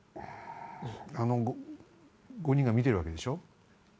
あの５人が見てるわけでしょ？